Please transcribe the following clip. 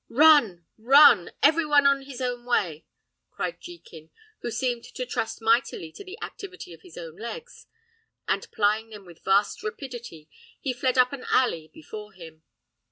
"Run! run! every one his own way!" cried Jekin, who seemed to trust mightily to the activity of his own legs, and plying them with vast rapidity, he fled up an alley before him.